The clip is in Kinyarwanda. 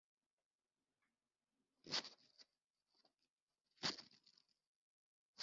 . “Abamarayika bamaze gusubira mu ijuru, abungeri baravuga bati